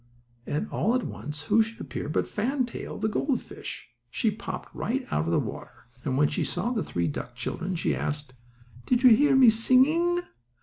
And, all at once, who should appear but Fan Tail, the gold fish. She popped right out of the water, and when she saw the three duck children she asked: "Did you hear me singing?"